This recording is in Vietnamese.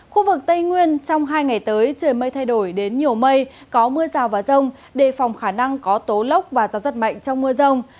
khu vực tây nguyên trong hai ngày tới trời mây thay đổi đến nhiều mây có mưa rào và rông đề phòng khả năng có tố lốc và gió rất mạnh trong mưa rông